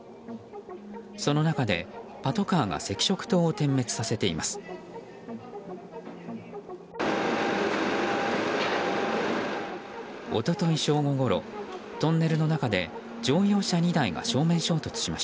その中でパトカーが赤色灯を点滅させています。